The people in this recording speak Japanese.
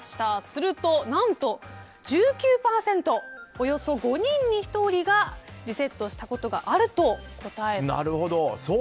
すると、何と１９％およそ５人に１人がリセットしたことがあると答えた。